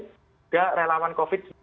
tidak relawan covid